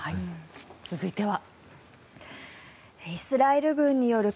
続いては。